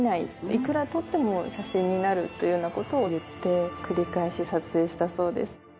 いくら撮っても写真になるというような事を言って繰り返し撮影したそうです。